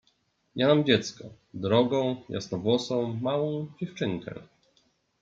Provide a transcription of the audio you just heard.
"Ja mam dziecko, drogą, jasnowłosą, małą dziewczynkę."